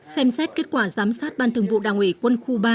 xem xét kết quả giám sát ban thường vụ đảng ủy quân khu ba